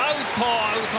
アウト。